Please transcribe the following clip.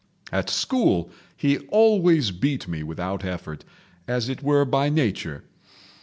At school he always beat me without effort—as it were by nature.